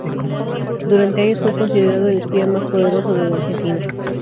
Durante años fue considerado el espía más poderoso de la Argentina.